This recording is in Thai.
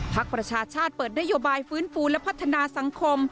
ประชาชาติเปิดนโยบายฟื้นฟูและพัฒนาสังคม